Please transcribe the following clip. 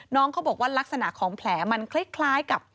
น้องเขาบอกว่าลักษณะของแผลมันคล้ายกับ